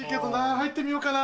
入ってみようかな？